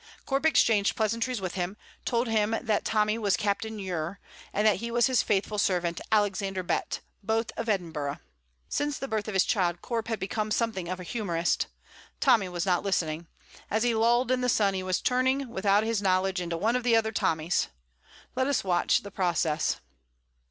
Corp exchanged pleasantries with him; told him that Tommy was Captain Ure, and that he was his faithful servant Alexander Bett, both of Edinburgh. Since the birth of his child, Corp had become something of a humourist. Tommy was not listening. As he lolled in the sun he was turning, without his knowledge, into one of the other Tommies. Let us watch the process.